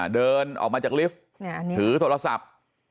เดินออกมาจากลิฟต์ถือโทรศัพท์